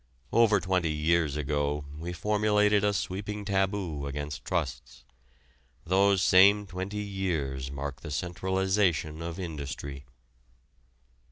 Over twenty years ago we formulated a sweeping taboo against trusts. Those same twenty years mark the centralization of industry.